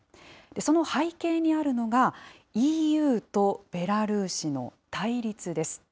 その背景にあるのが、ＥＵとベラルーシの対立です。